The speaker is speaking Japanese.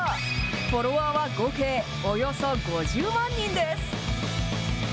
フォロワーは合計およそ５０万人です。